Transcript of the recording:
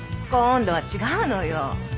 今度は違うのよ。